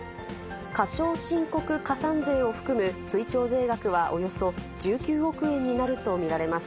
過少申告加算税を含む追徴税額はおよそ１９億円になると見られます。